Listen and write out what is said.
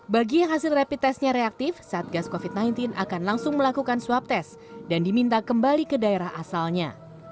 bagi hasil rapid testnya reaktif satgas covid sembilan belas akan langsung melakukan swab test dan diminta kembali ke daerah asalnya